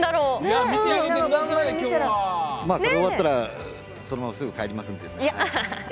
これ終わったらそのまますぐに帰りますので。